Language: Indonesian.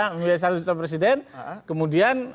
membiayai saksi calon presiden kemudian